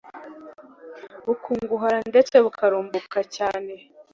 bukunguhara ndetse bukarumbuka cyane